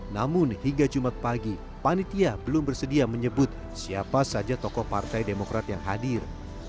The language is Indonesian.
namun hingga jumat pagi panitia belum bersedia menyebut siapa saja tokoh partai demokrat yang hadir